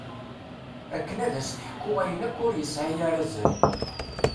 Akken ad s-teḥku ayen akk ur yesɛi ara azal.